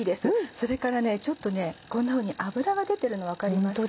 それからこんなふうに脂が出てるの分かりますか？